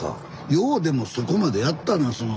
ようでもそこまでやったな。